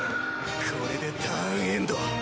これでターンエンド。